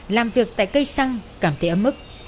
làm việc tại cây xăng cảm thấy ấm ức